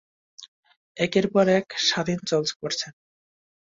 একের পর এক শহর স্বাধীন করছেন।